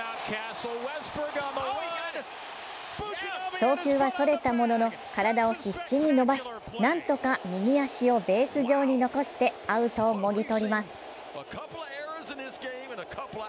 送球はそれたものの、体を必死に伸ばしなんとか右足をベース上に残してアウトをもぎ取ります。